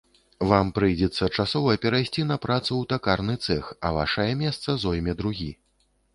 Вам прыйдзецца часова перайсці на працу ў такарны цэх, а вашае месца зойме другі.